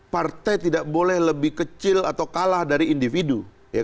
partai tidak boleh lebih kecil atau kalah dari individu